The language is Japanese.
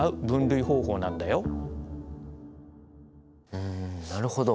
うんなるほど。